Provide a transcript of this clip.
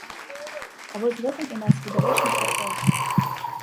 А вось з гэтым у нас відавочны пракол.